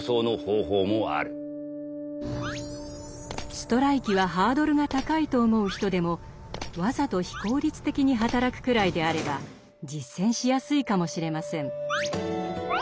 ストライキはハードルが高いと思う人でもわざと非効率的に働くくらいであれば実践しやすいかもしれません。